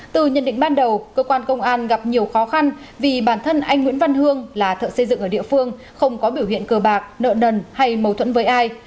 từ nhận định ban đầu cơ quan công an gặp nhiều khó khăn vì bản thân anh nguyễn văn hương là thợ xây dựng ở địa phương không có biểu hiện cờ bạc nợ nần hay mâu thuẫn với ai